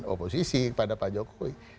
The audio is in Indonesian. oposisi kepada pak jokowi